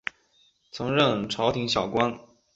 曾任朝廷小官。